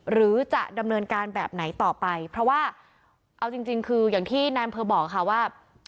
หรือจะดำเนินการแบบไหนต่อไปเพราะว่าเอาจริงคืออย่างที่นายอำเภอบอกค่ะว่า